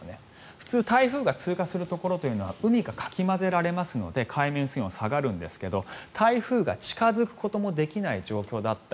普通、台風が通過するところは海がかき混ぜられますので海面水温が下げられるんですが台風が近付くこともできない状況だった。